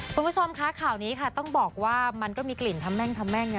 คุณผู้ชมคะข่าวนี้ค่ะต้องบอกว่ามันก็มีกลิ่นทำแม่งทำแม่งนะ